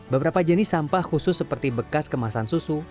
beberapa jenis sampah khusus seperti bekas kemasan susu